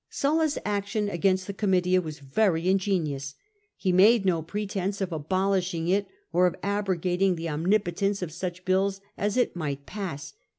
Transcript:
Sulla's action against the Gomitia was very ingenious. He made no pretence of abolishing it, or of abrogating the omnipotence of such bills as it might pass.